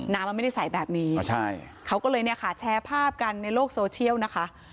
น้ำมันไม่ได้ใส่แบบนี้เขาก็เลยเนี่ยค่ะแชร์ภาพกันในโลกโซเชียลนะคะ